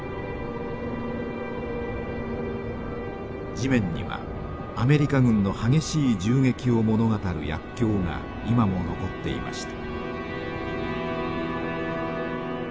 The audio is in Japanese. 地面にはアメリカ軍の激しい銃撃を物語る薬きょうが今も残っていました。